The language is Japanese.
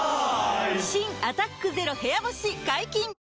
新「アタックＺＥＲＯ部屋干し」解禁‼